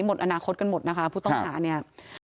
หมดอนาคตกันหมดนะคะผู้ต้องหาเนี่ย